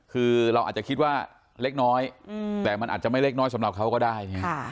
คือเราอาจจะคิดว่าเล็กน้อยแต่มันอาจจะไม่เล็กน้อยสำหรับเขาก็ได้